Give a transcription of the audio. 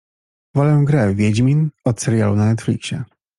Wolę grę Wiedźmin od serialu na Netflixie.